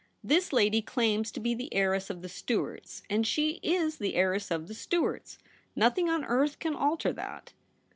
' This lady claims to be the heiress of the Stuarts, and she is the heiress of the Stuarts. Nothing on earth can alter that.'